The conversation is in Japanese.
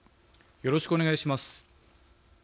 よろしくお願いします。